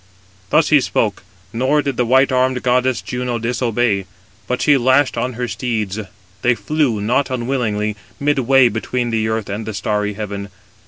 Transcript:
Thus he spoke: nor did the white armed goddess Juno disobey, but she lashed on her steeds. They flew, not unwillingly, midway between the earth and the starry heaven.